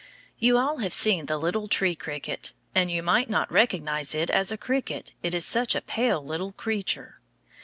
You all have seen the little tree cricket, but you might not recognize it as a cricket, it is such a pale little creature.